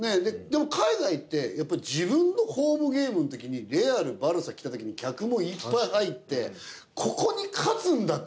でも海外って自分のホームゲームのときにレアルバルサ来たときに客もいっぱい入って。